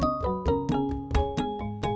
yah mau gimana lagi